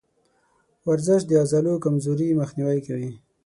ورزش د عضلو کمزوري مخنیوی کوي.